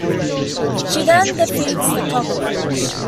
She then defeats the Cockroach.